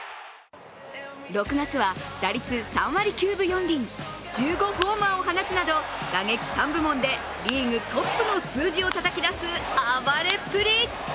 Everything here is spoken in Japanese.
６月は打率３割９分４厘、１５ホーマーを放つなど、打撃３部門でリーグトップの数字をたたき出す暴れっぷり。